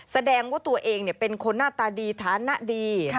แสดงว่าตัวเองเป็นคนหน้าตาดีฐานะดี